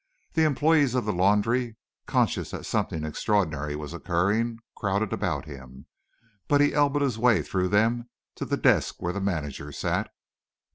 The employes of the laundry, conscious that something extraordinary was occurring, crowded about him, but he elbowed his way through them to the desk where the manager sat.